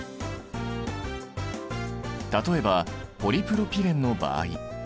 例えばポリプロピレンの場合。